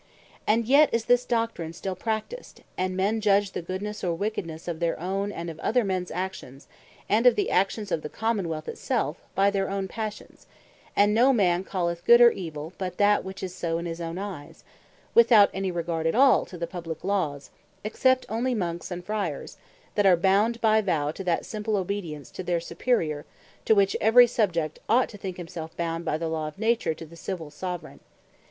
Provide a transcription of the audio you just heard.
And yet is this Doctrine still practised; and men judge the Goodnesse, or Wickednesse of their own, and of other mens actions, and of the actions of the Common wealth it selfe, by their own Passions; and no man calleth Good or Evill, but that which is so in his own eyes, without any regard at all to the Publique Laws; except onely Monks, and Friers, that are bound by Vow to that simple obedience to their Superiour, to which every Subject ought to think himself bound by the Law of Nature to the Civill Soveraign.